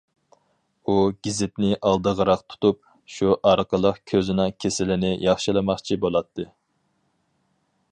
ئۇ گېزىتنى ئالدىغىراق تۇتۇپ، شۇ ئارقىلىق كۆزىنىڭ كېسىلىنى ياخشىلىماقچى بولاتتى.